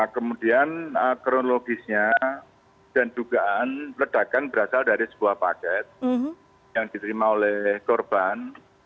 kemudian kronologisnya dan dugaan ledakan berasal dari sebuah paket yang diterima oleh korban